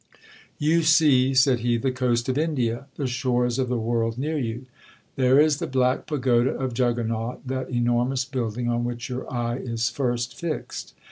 'You see,' said he, 'the coast of India, the shores of the world near you.—There is the black pagoda of Juggernaut, that enormous building on which your eye is first fixed.